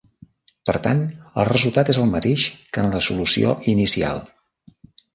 Per tant el resultat és el mateix que en la solució inicial.